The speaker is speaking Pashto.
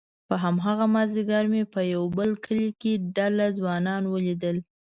په هماغه مازيګر مې په يوه بل کلي کې ډله ځوانان وليدل،